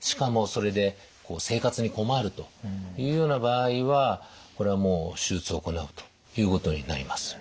しかもそれで生活に困るというような場合はこれはもう手術を行うということになります。